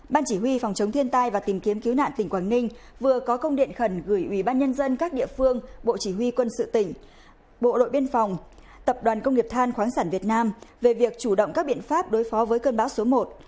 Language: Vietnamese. ban chỉ huy phòng chống thiên tai và tìm kiếm cứu nạn tỉnh quảng ninh vừa có công điện khẩn gửi ủy ban nhân dân các địa phương bộ chỉ huy quân sự tỉnh bộ đội biên phòng tập đoàn công nghiệp than khoáng sản việt nam về việc chủ động các biện pháp đối phó với cơn bão số một